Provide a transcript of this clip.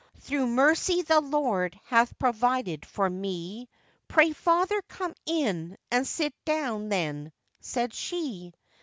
'Through mercy the Lord hath provided for me; Pray, father, come in and sit down then,' said she.